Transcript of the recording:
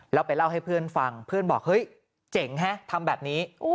แล้วไปเล่าให้เพื่อนฟังเพื่อนบอกเฮ้ยเจ๋งฮะทำแบบนี้